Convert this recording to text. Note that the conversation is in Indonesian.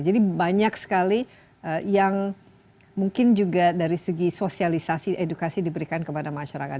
jadi banyak sekali yang mungkin juga dari segi sosialisasi edukasi diberikan kepada masyarakat